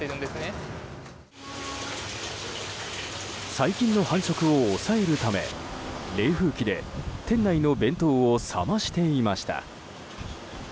細菌の繁殖を抑えるため冷風機で店内の弁当を冷ましていました。